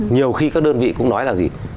nhiều khi các đơn vị cũng nói là gì